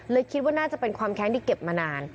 คิดว่าน่าจะเป็นความแค้นที่เก็บมานาน